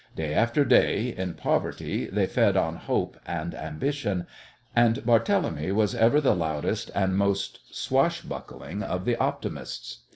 Day after day in poverty they fed on hope and ambition, and Barthélemy was ever the loudest and most swashbuckling of the optimists.